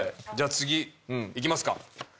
次いきますか。